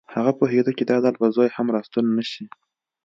هغه پوهېده چې دا ځل به زوی هم راستون نه شي